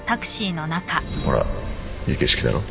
ほらいい景色だろ